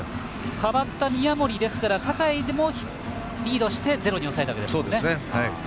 代わった宮森酒居もリードして０に抑えたわけですね。